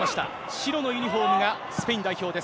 白のユニホームがスペイン代表です。